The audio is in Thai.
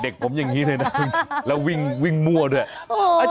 เด็กผมอย่างนี้เลยนะแล้ววิ่งวิ่งมั่วด้วย